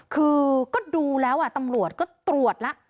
คือก็ดูแล้วตำรวจก็ตรวจแล้ว